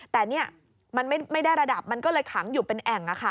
แต่นี่มันไม่ได้ระดับมันก็เลยขังอยู่เป็นแอ่ง